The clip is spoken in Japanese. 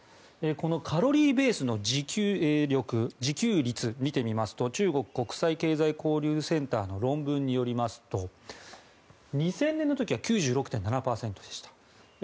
このカロリーベースの自給率を見てみますと中国国際経済交流センターの論文によりますと２０００年の時は９６．７％でした。